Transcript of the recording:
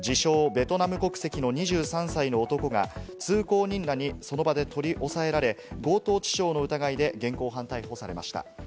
ベトナム国籍の２３歳の男が通行人らにその場で取り押さえられ、強盗致傷の疑いで現行犯逮捕されました。